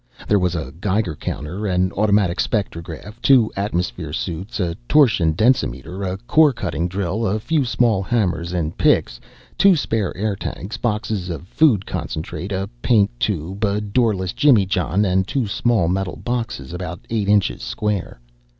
There was a Geiger counter, an automatic spectrograph, two atmosphere suits, a torsion densimeter, a core cutting drill, a few small hammers and picks, two spare air tanks, boxes of food concentrate, a paint tube, a doorless jimmy john and two small metal boxes about eight inches cube.